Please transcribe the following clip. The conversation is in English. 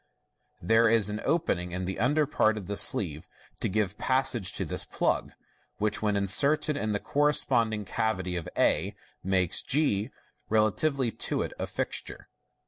There is an opening in the under part of the sleeve, to give passage to this plug, which, when inserted in the corresponding cavity of a, makes g, rela tively to it, a fixture.